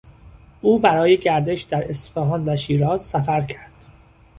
او برای گردش در اصفهان و شیراز سفر کرد